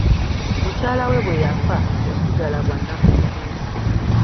Mukyala we bwe yafa, yasigala bwa nnamunigina.